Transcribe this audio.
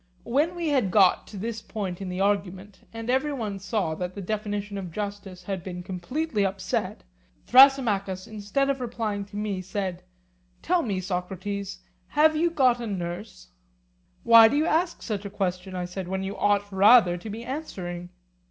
When we had got to this point in the argument, and every one saw that the definition of justice had been completely upset, Thrasymachus, instead of replying to me, said: Tell me, Socrates, have you got a nurse? Why do you ask such a question, I said, when you ought rather to be answering?